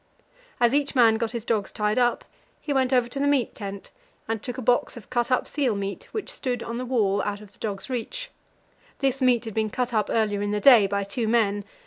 As each man got his dogs tied up, he went over to the meat tent and took a box of cut up seal meat, which stood on the wall out of the dogs' reach. This meat had been cut up earlier in the day by two men.